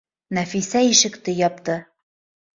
Нәфисә ишекте япты